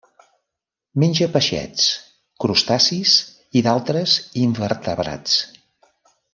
Menja peixets, crustacis i d'altres invertebrats.